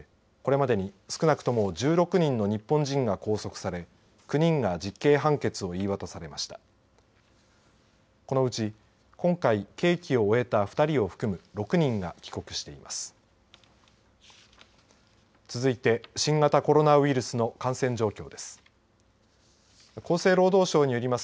このうち、今回、刑期を終えた２人を含む６人が帰国しています。